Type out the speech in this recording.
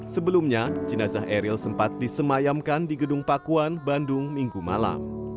sebelumnya jenazah eril sempat disemayamkan di gedung pakuan bandung minggu malam